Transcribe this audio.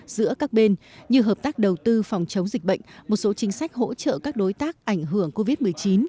giữa các bên như hợp tác đầu tư phòng chống dịch bệnh một số chính sách hỗ trợ các đối tác ảnh hưởng covid một mươi chín